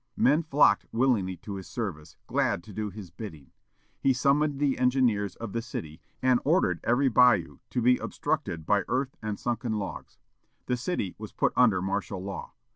Men flocked willingly to his service, glad to do his bidding. He summoned the engineers of the city and ordered every bayou to be obstructed by earth and sunken logs. The city was put under martial law.